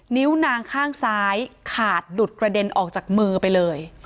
นิ้วนางข้างซ้ายขาดดุดกระเด็นออกจากมือไปเลย